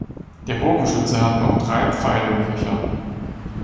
Der Bogenschütze hat noch drei Pfeile im Köcher.